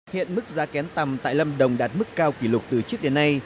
hiện mức giá kén tầm tại lâm đồng đạt mức cao kỷ lục từ trước đến nay